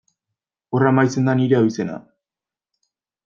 Hor amaitzen da nire abizena.